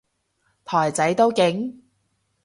台仔都勁？